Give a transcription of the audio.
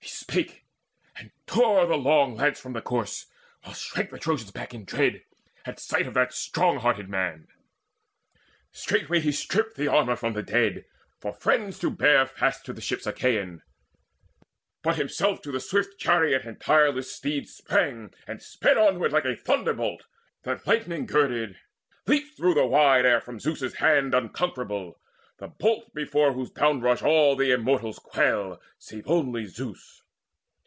He spake, and tore the long lance from the corse, While shrank the Trojans back in dread, at sight Of that strong hearted man. Straightway he stripped The armour from the dead, for friends to bear Fast to the ships Achaean. But himself To the swift chariot and the tireless steeds Sprang, and sped onward like a thunderbolt That lightning girdled leaps through the wide air From Zeus's hands unconquerable the bolt Before whose downrush all the Immortals quail Save only Zeus.